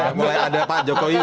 ini mulai ada pak joko widodo ya